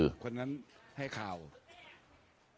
ส่วนความคืบหน้าทางคดีนะครับตำรวจสภศรีสมเด็จ